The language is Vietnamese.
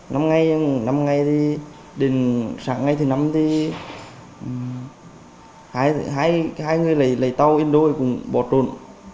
năm ngày thì đến sáng ngày thứ năm thì hai người lấy tàu indo cũng bỏ trộn